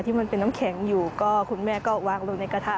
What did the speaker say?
มันเป็นน้ำแข็งอยู่ก็คุณแม่ก็วางลงในกระทะ